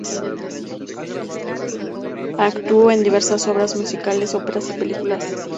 Actuó en diversas obras, musicales, óperas y películas.